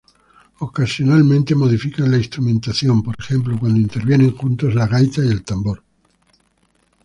Ocasionalmente modifican la instrumentación, por ejemplo cuando intervienen juntos la gaita y el tambor.